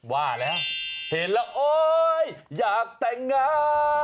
ว่าแล้วเห็นแล้วโอ๊ยอยากแต่งงาน